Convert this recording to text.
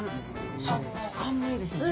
食感もいいですよね。